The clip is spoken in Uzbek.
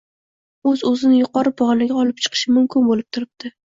o‘z-o‘zini yuqori pog‘onaga olib chiqishi mumkin bo‘lib turibdi.